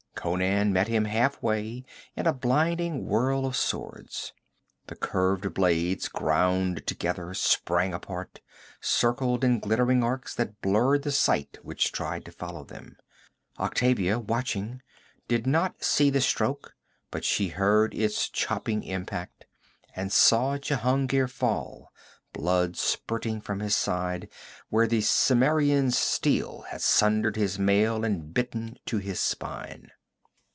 Conan met him half way in a blinding whirl of swords. The curved blades ground together, sprang apart, circled in glittering arcs that blurred the sight which tried to follow them. Octavia, watching, did not see the stroke, but she heard its chopping impact, and saw Jehungir fall, blood spurting from his side where the Cimmerian's steel had sundered his mail and bitten to his spine.